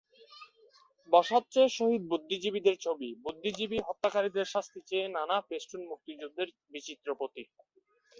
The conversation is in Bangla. বসাচ্ছে শহীদ বুদ্ধিজীবীদের ছবি, বুদ্ধিজীবী-হত্যাকারীদের শাস্তি চেয়ে নানা ফেস্টুন, মুক্তিযুদ্ধের বিচিত্র প্রতীক।